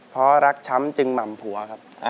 เพราะรักช้ำจึงหม่ำผัวครับ